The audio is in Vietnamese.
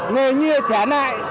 người nhìa trả nại